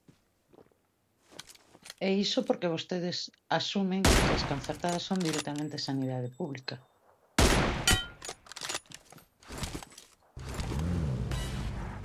E iso porque vostedes asumen que as concertadas son directamente sanidade pública.